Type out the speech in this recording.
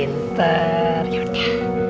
ntar yuk ya